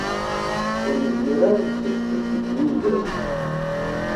Ur yezmir ara ad isesteb deg Windows.